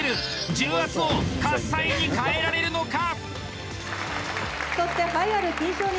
重圧を喝采に変えられるのか！？